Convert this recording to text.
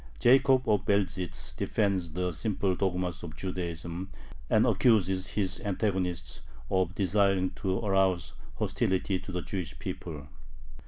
Jacob of Belzhytz defends the simple dogmas of Judaism, and accuses his antagonists of desiring to arouse hostility to the Jewish people.